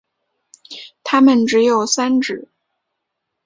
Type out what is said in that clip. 它们只有三趾。